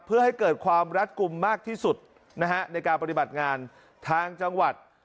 เพื่อให้เกิดความรัดกลุ่มมากที่สุดนะฮะในการปฏิบัติงานทางจังหวัด